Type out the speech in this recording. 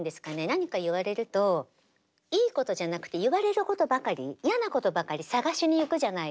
何か言われるといいことじゃなくて言われることばかり嫌なことばかり探しに行くじゃないですか。